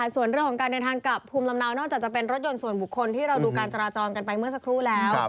ส่วนเรื่องของการเดินทางกลับภูมิลำเนานอกจากจะเป็นรถยนต์ส่วนบุคคลที่เราดูการจราจรกันไปเมื่อสักครู่แล้ว